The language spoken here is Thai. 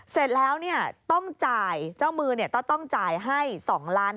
เสร็จแล้วจ้ามือต้องจ่ายให้๒๕๐๐๐๐๐บาท